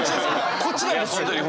こっちなんですよ！